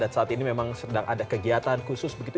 dan saat ini memang sedang ada kegiatan khusus begitu